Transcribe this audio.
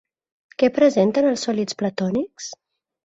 Què presenten els sòlids platònics?